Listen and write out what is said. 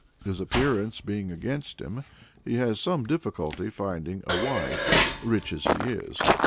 His appearance being against him, he has some difficulty in finding a wife, rich as he is.